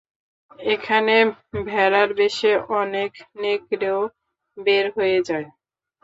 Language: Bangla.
এখানে ভেড়ার বেশে অনেক নেকড়েও বের হয়ে যায়।